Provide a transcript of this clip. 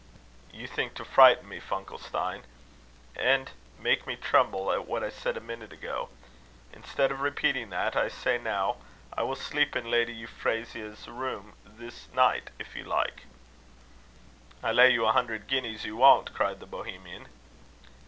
"You think to frighten me, Funkelstein, and make me tremble at what I said a minute ago. Instead of repeating that. I say now: I will sleep in Lady Euphrasia's room this night, if you like." "I lay you a hundred guineas you won't!" cried the Bohemian.